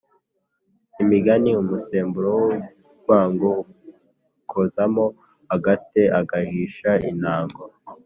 imigani: umusemburo w’urwango ukozamo agate ugahiisha intaango